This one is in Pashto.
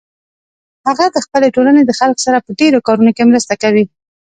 هغه د خپلې ټولنې د خلکو سره په ډیرو کارونو کې مرسته کوي